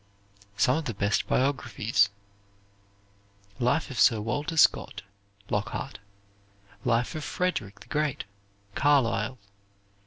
Some of the Best Biographies "Life of Sir Walter Scott," Lockhart. "Life of Frederick the Great," Carlyle.